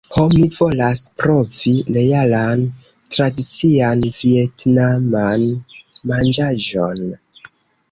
Ho, mi volas provi realan tradician vjetnaman manĝaĵon